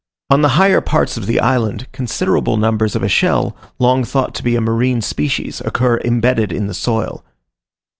On the higher parts of the island, considerable numbers of a shell, long thought to be a marine species occur imbedded in the soil.